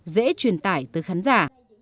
dễ truyền tải từ khán giả